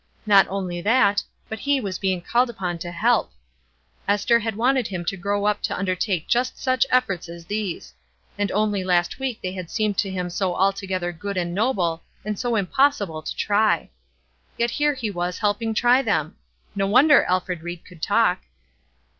Not only that, but he was being called upon to help. Ester had wanted him to grow up to undertake just such efforts as these; and only last week they had seemed to him so altogether good and noble and so impossible to try. Yet here he was helping try them! No wonder Alfred Ried could talk.